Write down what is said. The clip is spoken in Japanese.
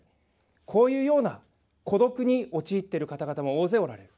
こういうような孤独に陥っている方々も大勢おられる。